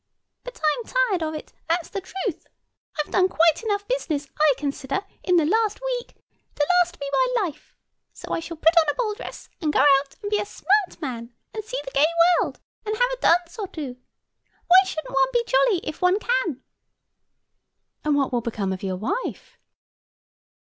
But I'm tired of it, that's the truth. I've done quite enough business, I consider, in the last week, to last me my life. So I shall put on a ball dress, and go out and be a smart man, and see the gay world, and have a dance or two. Why shouldn't one be jolly if one can?" "And what will become of your wife?"